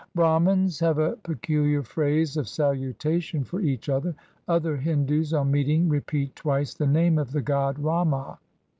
Bramins have a peculiar phrase of salutation for each other. Other Hindus on meeting repeat twice the name of the god Rama.